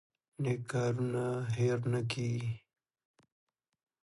نیک کارونه هیر نه کیږي